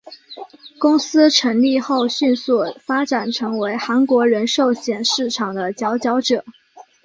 公司成立后迅速发展成为韩国人寿险市场的佼佼者。